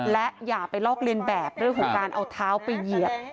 และอย่าไปลอกเลียนแบบเรื่องของการเอาเท้าไปเหยียบ